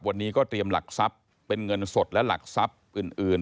วันนี้ก็เตรียมหลักทรัพย์เป็นเงินสดและหลักทรัพย์อื่น